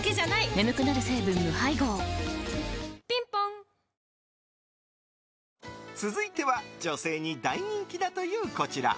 眠くなる成分無配合ぴんぽん続いては女性に大人気だというこちら。